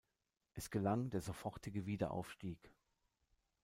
Es gelang der sofortige Wiederaufstieg.